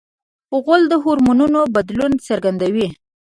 غول د هورمونونو بدلونه څرګندوي.